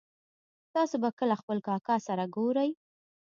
تاسو به کله خپل کاکا سره ګورئ